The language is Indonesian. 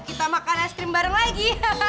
kita makan es krim bareng lagi